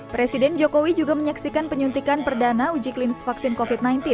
presiden jokowi juga menyaksikan penyuntikan perdana uji klinis vaksin covid sembilan belas